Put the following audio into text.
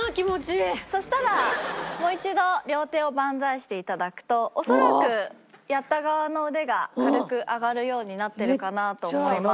そしたらもう一度両手をバンザイして頂くと恐らくやった側の腕が軽く上がるようになってるかなと思います。